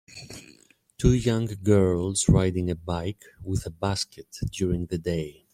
Two young girls riding a bike with a basket during the day.